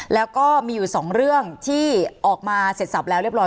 แล้วก็มีอยู่สองเรื่องที่ออกมาเสร็จสับแล้วเรียบร้อ